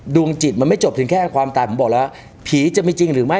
ดวงจิตมันไม่จบถึงแค่ความตายผมบอกแล้วผีจะมีจริงหรือไม่